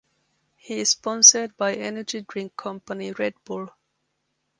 He is sponsored by energy drink company Red Bull.